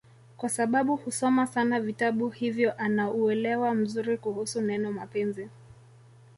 kwasababu husoma sana vitabu hivyo ana uwelewa mzuri kuhusu neno mapenzi